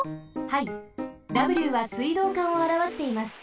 はいＷは水道管をあらわしています。